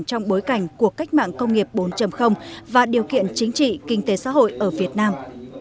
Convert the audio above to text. trong bối cảnh cuộc cách mạng công nghiệp bốn và điều kiện chính trị kinh tế xã hội ở việt nam